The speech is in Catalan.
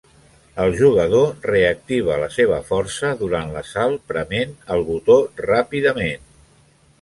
El jugador reactiva la seva força durant l'assalt prement el botó ràpidament.